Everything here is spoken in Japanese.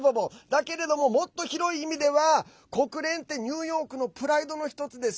だけど、もっと広い意味では国連ってニューヨークのプライドの１つです。